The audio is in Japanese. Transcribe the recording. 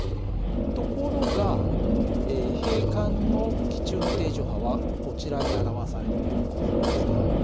ところが閉管の気柱の定常波はこちらに表されてるようにこんなふうになってた。